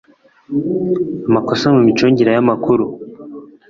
Amakosa mu micungire y amakuru